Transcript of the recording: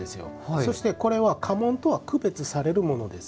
そして、これは家紋とは区別されるものです。